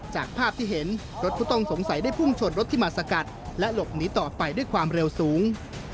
จากภาพที่เห็นรถผู้ต้องสงสัยได้พุ่งชนรถที่มาสกัดและหลบหนีต่อไปด้วยความเร็วสูง